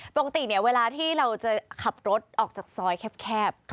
ปกติเนี่ยเวลาที่เราจะขับรถออกจากซอยแคบ